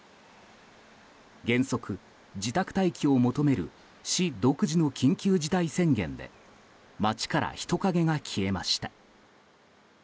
原則、自宅待機を求める市独自の緊急事態宣言で街から人影が消えました。